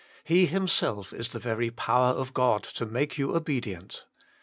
He Himself is the very power of God to make you obedient.